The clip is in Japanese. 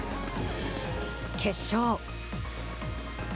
決勝。